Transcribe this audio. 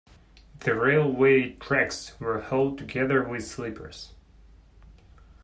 The railway tracks were held together with sleepers